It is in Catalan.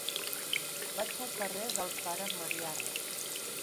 Vaig al carrer del Pare Mariana.